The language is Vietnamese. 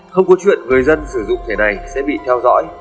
không có chuyện người dân sử dụng thẻ này sẽ bị theo dõi